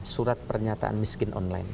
surat pernyataan miskin online